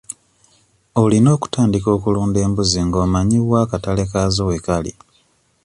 Olina okutandika okulunda embuzi nga omanyi wa akatale kaazo we kali.